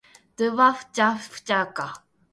d ヴぁ h じゃ fh じゃ g か」